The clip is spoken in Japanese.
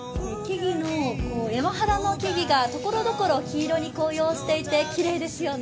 山肌の木々が所どころに紅葉していてきれいですよね。